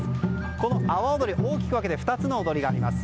この阿波踊り、大きく分けて２つの踊りがあります。